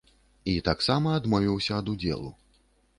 І таксама адмовіўся ад удзелу.